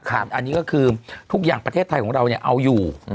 อันนี้ก็คือทุกอย่างประเทศไทยของเราเอาอยู่